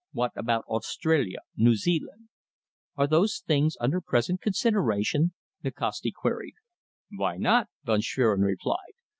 What about Australia?... New Zealand?" "Are those things under present consideration?" Nikasti queried. "Why not?" Von Schwerin replied.